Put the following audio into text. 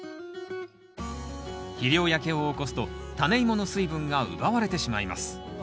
肥料焼けを起こすとタネイモの水分が奪われてしまいます。